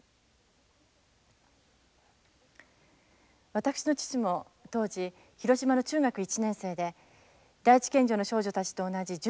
私の父も当時広島の中学１年生で第一県女の少女たちと同じ１３歳でした。